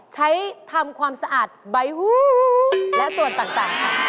ใช้ทำความสะอาดใบหูและส่วนต่างค่ะ